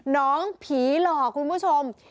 น้องผีหล่อคุณผู้ชม